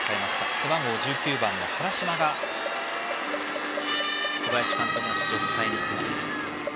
背番号１９番の原島が小林監督の指示を伝えに行きました。